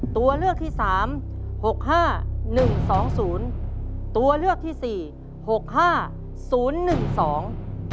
ตัวเลือกที่สามหกห้าหนึ่งสองศูนย์ตัวเลือกที่สี่หกห้าศูนย์หนึ่งสอง